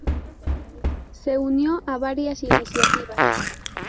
Se unió a varias iniciativas.